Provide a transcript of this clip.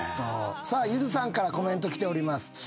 さあゆずさんからコメント来ております。